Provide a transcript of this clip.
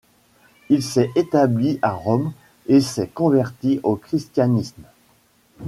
Il s'est établi à Rome et s'est converti au christianisme.